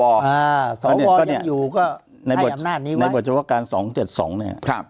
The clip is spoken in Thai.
อ่าสอวอยังอยู่ก็ให้อำนาจนี้ไว้ในบทเจ้าโอปรการสองเจ็ดสองเนี่ยครับ